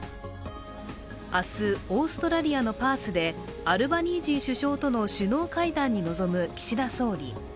明日、オーストラリアのパースでアルバニージー首相との首脳会談に臨む岸田総理。